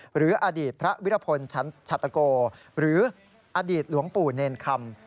หรืออดีตพระวิรพลชัตโกหรืออดีตหลวงปู่เนรคำ